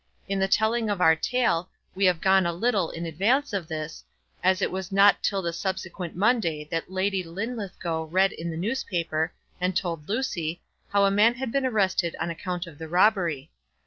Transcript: In the telling of our tale, we have gone a little in advance of this, as it was not till the subsequent Monday that Lady Linlithgow read in the newspaper, and told Lucy, how a man had been arrested on account of the robbery.